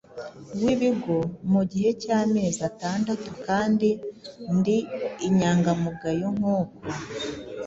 wibigo mu gihe cy’amezi atandatu kandi ndi inyangamugayo nk’uko